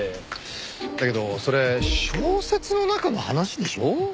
だけどそれ小説の中の話でしょう？